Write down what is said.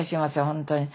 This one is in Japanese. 本当に。